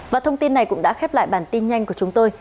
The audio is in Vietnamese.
và thông tin này cũng đã khép lại bản tin nhanh của chúng tôi